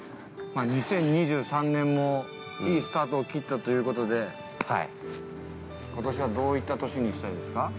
◆２０２３年もいいスタートを切ったということでことしは、どういった年にしたいですか。